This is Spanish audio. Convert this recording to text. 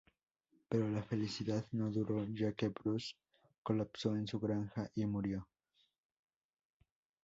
Pero la felicidad no duro ya que Bruce colapso en su granja y murió.